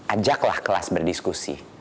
ajaklah kelas berdiskusi